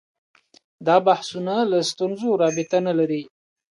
دا بحثونه له ستونزو رابطه نه لري